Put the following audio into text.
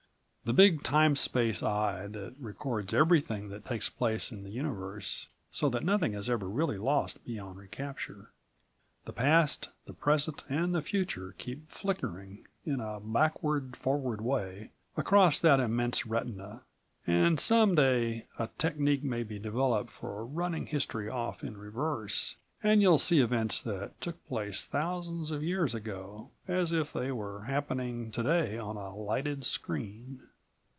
The big Time Space eye that records everything that takes place in the universe, so that nothing is ever really lost beyond re capture. The past, the present and the future keep flickering, in a backward forward way, across that immense retina, and some day a technique may be developed for running history off in reverse and you'll see events that took place thousands of years ago as if they were happening today on a lighted screen.